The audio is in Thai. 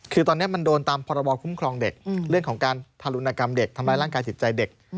คือตอนนี้มันโดนตามพรบคุ้มครองเด็กเรื่องของการทารุณกรรมเด็กทำร้ายร่างกายจิตใจเด็ก